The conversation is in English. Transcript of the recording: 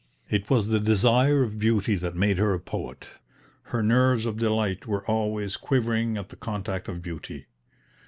It was the desire of beauty that made her a poet; her "nerves of delight" were always quivering at the contact of beauty.